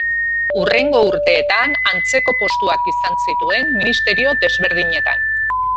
Hurrengo urteetan antzeko postuak izan zituen ministerio desberdinetan.